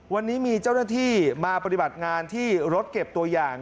วันนี้มีเจ้าหน้าที่มาปฏิบัติงานที่รถเก็บตัวอย่าง